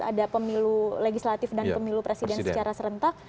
ada pemilu legislatif dan pemilu presiden secara serentak